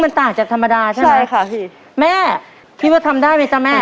มันต่างจากธรรมดาใช่ไหมแม่คิดว่าทำได้ไหมสะแม่